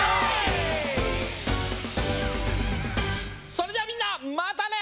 それじゃあみんなまたね！